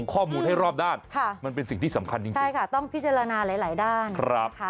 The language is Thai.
ครับมากว่าครับ